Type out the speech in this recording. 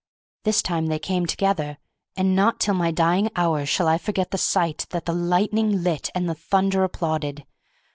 This time they came together, and not till my dying hour shall I forget the sight that the lightning lit and the thunder applauded.